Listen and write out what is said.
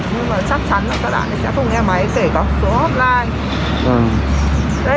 nhưng mà chắc chắn là các bạn sẽ không nghe máy kể bằng số offline